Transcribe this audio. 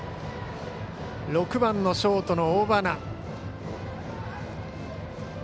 ６番のショートの尾花。